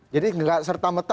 jadi nggak serta merta